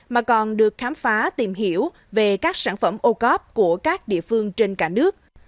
mà còn được khám phá tìm hiểu về các sản phẩm ô cóp của các nhà hàng